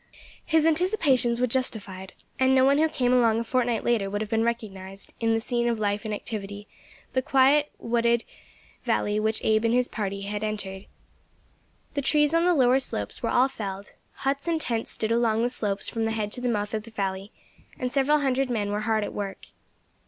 His anticipations were justified, and no one who came along a fortnight later would have recognised, in the scene of life and activity, the quiet wooded valley which Abe and his party had entered. The trees on the lower slopes were all felled; huts and tents stood along on the slopes from the head to the mouth of the valley, and several hundred men were hard at work.